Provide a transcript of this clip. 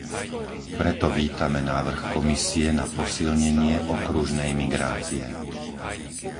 Preto vítame návrh Komisie na posilnenie okružnej migrácie.